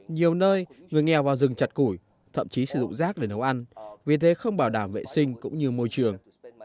nhiều nơi người nghèo vào rừng chặt củi thậm chí sử dụng rác để nấu ăn vì thế không bảo đảm vệ sinh cũng như môi trường